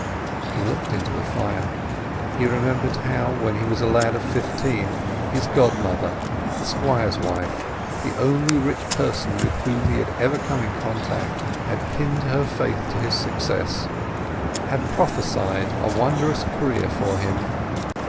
He looked into the fire. He remembered how, when he was a lad of fifteen, his godmother, the Squire's wife—the only rich person with whom he had ever come in contact—had pinned her faith to his success; had prophesied a wondrous career for him.